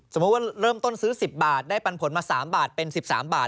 สมมุติว่าเริ่มต้นซื้อ๑๐บาทได้ปันผลมา๓บาทเป็น๑๓บาท